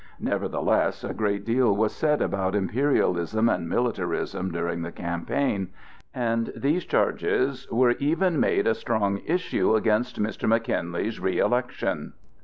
Nevertheless a great deal was said about imperialism and militarism during the campaign, and these charges were even made a strong issue against Mr. McKinley's reëlection.